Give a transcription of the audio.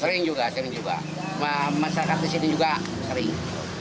sering juga sering juga masyarakat di sini juga sering